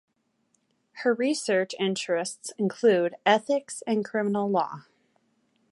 Her research interests include ethics and criminal law.